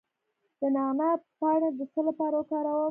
د نعناع پاڼې د څه لپاره وکاروم؟